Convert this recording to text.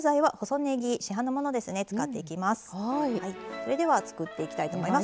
それでは作っていきたいと思います。